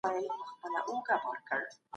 په ژوند کې د انډول ساتل اړین دي.